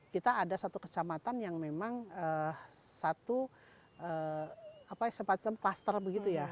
kita ada satu kesamatan yang memang sepacem plaster begitu ya